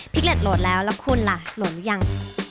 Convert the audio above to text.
พลิเคชั่นโหลดแล้วแล้วคุณล่ะโหลดรึยัง